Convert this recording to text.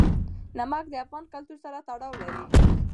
نمک د افغان کلتور سره تړاو لري.